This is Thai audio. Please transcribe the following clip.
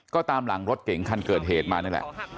ก็ตามหลังรถเก่งคันเกิดเหตุมานี่แหละ